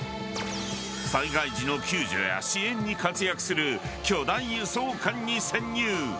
災害時の救助や支援に活躍する巨大輸送艦に潜入。